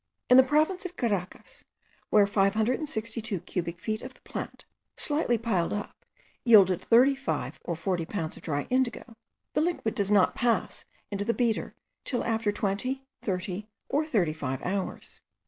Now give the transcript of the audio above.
In the province of Caracas, where 562 cubic feet of the plant slightly piled up yield thirty five or forty pounds of dry indigo, the liquid does not pass into the beater till after twenty, thirty, or thirty five hours.